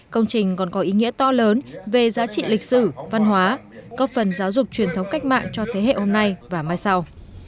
công trình còn có ý nghĩa to lớn về giá trị lịch sử văn hóa góp phần giáo dục truyền thống cách mạng cho thế hệ hôm nay và mai sau